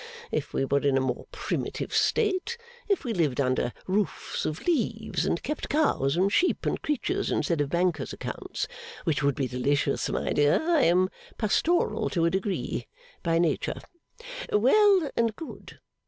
If we were in a more primitive state, if we lived under roofs of leaves, and kept cows and sheep and creatures instead of banker's accounts (which would be delicious; my dear, I am pastoral to a degree, by nature), well and good.